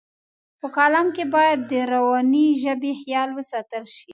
په کالم کې باید د روانې ژبې خیال وساتل شي.